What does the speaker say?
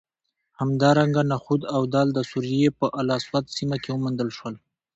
همدارنګه نخود او دال د سوریې په الاسود سیمه کې وموندل شول